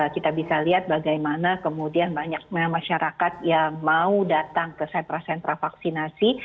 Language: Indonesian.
kita bisa lihat bagaimana kemudian banyak masyarakat yang mau datang ke sentra sentra vaksinasi